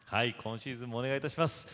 今シーズンもお願いいたします。